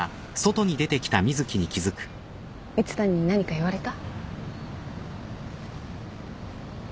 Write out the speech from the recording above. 蜜谷に何か言われた？